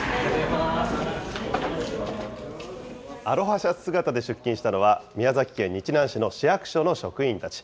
アロハシャツ姿で出勤したのは、宮崎県日南市の市役所の職員たち。